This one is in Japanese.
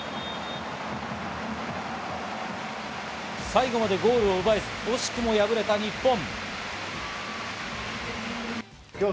最後までゴールを奪えず惜しくも敗れた日本。